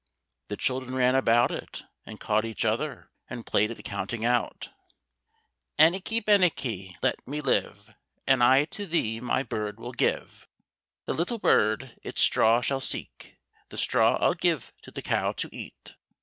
The children ran about it, and caught each other, and played at counting out. "Eneke Beneke, let me live, And I to thee my bird will give. The little bird, it straw shall seek, The straw I'll give to the cow to eat.